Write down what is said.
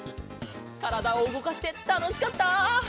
からだをうごかしてたのしかった！